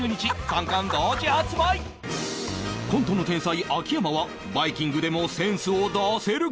コントの天才秋山はバイキングでもセンスを出せるか？